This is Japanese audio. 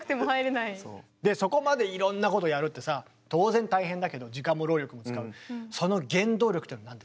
そこまでいろんなことやるってさ当然大変だけど時間も労力も使うその原動力っていうのは何ですか？